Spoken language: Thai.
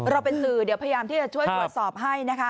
เราเป็นสื่อเดี๋ยวพยายามที่จะช่วยตรวจสอบให้นะคะ